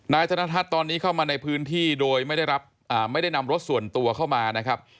ธนทัศน์ตอนนี้เข้ามาในพื้นที่โดยไม่ได้รับไม่ได้นำรถส่วนตัวเข้ามานะครับ